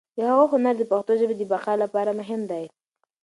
د هغه هنر د پښتو ژبې د بقا لپاره مهم دی.